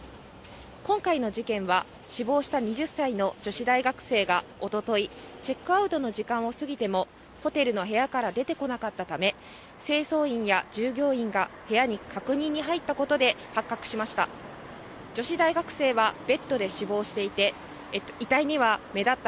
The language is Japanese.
今回の事件は死亡した２０歳の女子大生がおとといチェックアウトの時間を過ぎてもホテルの部屋から出てこなかったため、清掃員や従業員が部屋に確認に入ったことで発覚しました。